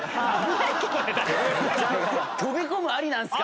飛び込むありなんすか？